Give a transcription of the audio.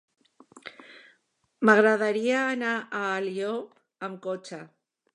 M'agradaria anar a Alió amb cotxe.